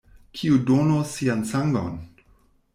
Kiu donos sian sangon?